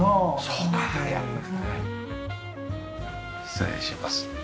失礼します。